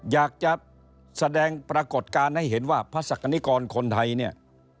อยากจะแสดงปรากฏการณ์ให้เห็นว่าพระศักดิกรคนไทยเนี่ย